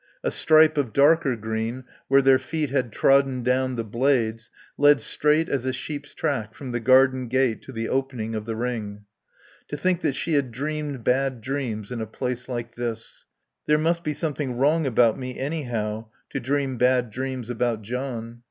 A stripe of darker green, where their feet had trodden down the blades, led straight as a sheep's track from the garden gate to the opening of the ring. To think that she had dreamed bad dreams in a place like this. She thought: "There must be something wrong about me, anyhow, to dream bad dreams about John."